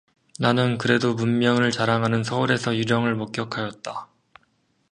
나는 그래도 문명을 자랑하는 서울에서 유령을 목격하였다.